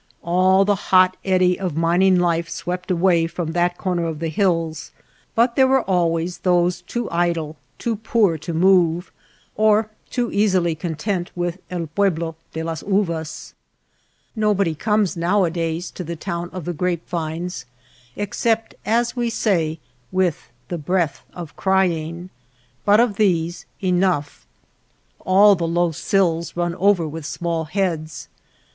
All the hot eddy of mining life swept away 268 THE LITTLE TOWN OF THE GRAPE VINES from that corner of the hills, but there were always those too idle, too poor to move, or too easily content with El Pueblo de Las Uvas. Nobody comes nowadays to the town of the grape vines except, as we say, " with the breath of crying," but of these enough. All the low sills run over with small heads.